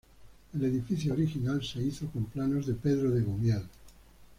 El edificio original se hizo con planos de Pedro de Gumiel.